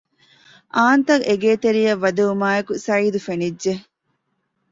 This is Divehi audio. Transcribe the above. އާންތަށް އެގޭތެރެއަށް ވަދެވުމާއެކު ސަޢީދު ފެނިއްޖެ